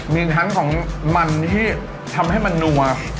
มีทั้งของมันที่ทำให้มันนัว